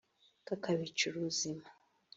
kakabicira ubuzima